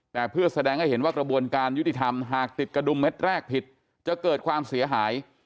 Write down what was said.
แต่เพื่อแสดงให้เห็นว่ากระบวนการยุติธรรมหากติดกระดุมเม็ดแรกผิดจะเกิดความเสียหาย